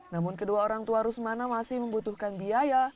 namun kedua orang tua rusmana masih membutuhkan biaya